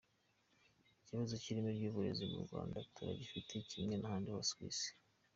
Ikibazo cy’ireme ry’uburezi mu Rwanda turagifite kimwe n’ahandi hose ku isi.